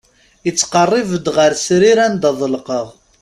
Ittqerrib-d ɣer srir anda ḍelqeɣ.